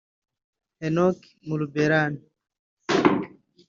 Henok muluberhan